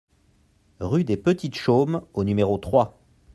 Rue des Petites Chaumes au numéro trois